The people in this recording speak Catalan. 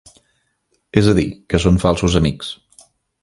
És a dir, que són falsos amics.